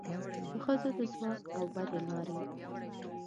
د ښځو د ځواک او ودې لارې